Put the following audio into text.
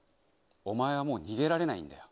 お前はもう逃げられないんだよ。